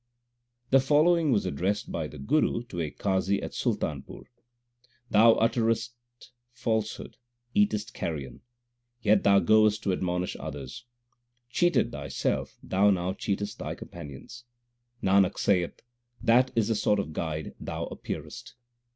The following was addressed by the Guru to a Qazi at Sultanpur : Thou utterest falsehood, eatest carrion, 1 Yet thou goest to admonish others. Cheated thyself thou now cheatest thy companions. Nanak saith, that is the sort of guide thou appearest